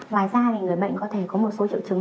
ngoài ra thì người bệnh có thể có một số triệu chứng